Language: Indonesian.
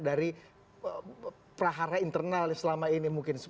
dari prahara internal selama ini mungkin